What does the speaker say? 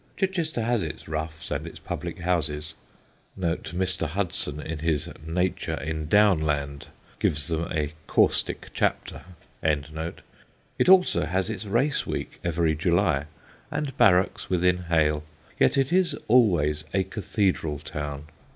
Chichester has its roughs and its public houses (Mr. Hudson in his Nature in Downland gives them a caustic chapter); it also has its race week every July, and barracks within hail; yet it is always a cathedral town.